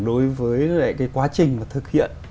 đối với cái quá trình mà thực hiện